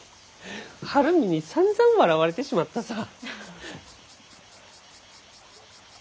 晴海にさんざん笑われてしまったさ−。